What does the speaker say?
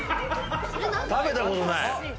食べたことない。